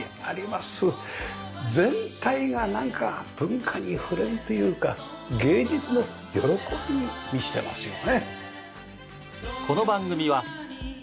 全体がなんか文化に触れるというか芸術の喜びに満ちてますよね。